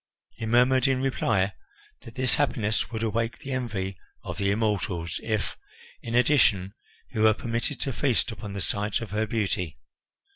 He murmured in reply that his happiness would awake the envy of the immortals if, in addition, he were permitted to feast upon the sight of her beauty.